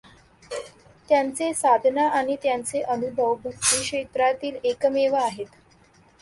त्यांचे साधना आणि त्यांचे अनुभव भक्ती क्षेत्रातील एकमेव आहेत.